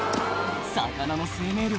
魚の生命力